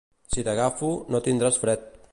Si t'agafo, no tindràs fred!